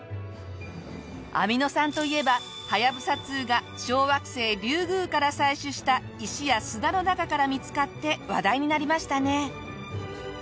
アミノ酸といえばはやぶさ２が小惑星リュウグウから採取した石や砂の中から見つかって話題になりましたね。